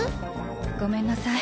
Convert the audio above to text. ごめんなさい